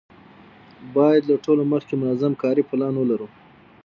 باید له ټولو مخکې منظم کاري پلان ولرو.